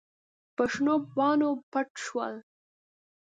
په شنو پاڼو پټ شول.